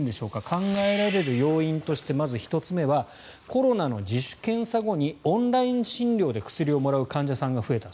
考えられる要因としてまず１つ目はコロナの自主検査後にオンライン診療で薬をもらう患者さんが増えた。